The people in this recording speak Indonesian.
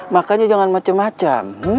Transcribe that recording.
makanya jangan macem macem